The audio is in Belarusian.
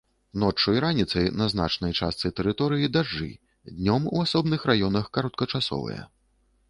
Ноччу і раніцай на значнай частцы тэрыторыі дажджы, днём у асобных раёнах кароткачасовыя.